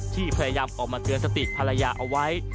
ที่พยายามออกมาเตือนสติภรรยาเอาไว้